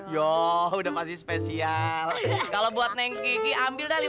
ya udah aurait spesial kalau buat neng ambil rp lima